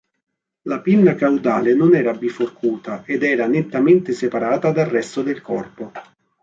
La pinna caudale non era biforcuta ed era nettamente separata dal resto del corpo.